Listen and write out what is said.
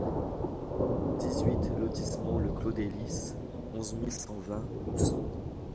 dix-huit lotissement Le Clos des Lys, onze mille cent vingt Moussan